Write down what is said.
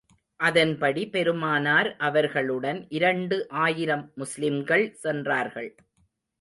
அதன்படி பெருமானார் அவர்களுடன் இரண்டு ஆயிரம் முஸ்லிம்கள் சென்றார்கள்.